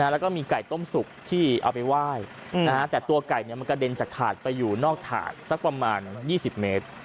แล้วก็มีไก่ต้มสุกที่เอาไปไหว้แต่ตัวไก่มันกระเด็นจากถาดไปอยู่นอกถาดสักประมาณ๒๐เมตร